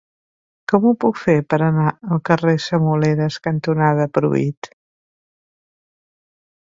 Com ho puc fer per anar al carrer Semoleres cantonada Pruit?